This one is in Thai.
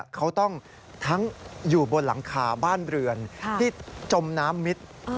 เขาต้องทั้งอยู่บนหลังคาบ้านเรือนที่จมน้ำมิด